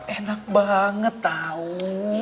enak banget tau